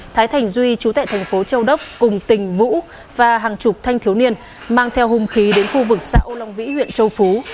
thái thành duy chú tại thành phố châu đốc cùng tình vũ và hàng chục thanh thiếu niên mang theo hùng khí đến khu vực xã âu long vĩ huyện châu phú